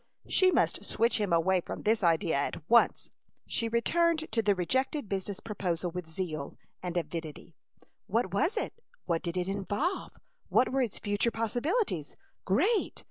She must switch him away from this idea at once! She returned to the rejected business proposition with zeal and avidity. What was it? What did it involve? What were its future possibilities? Great!